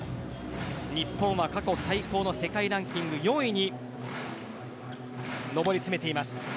日本は過去最高の世界ランキング４位に上り詰めています。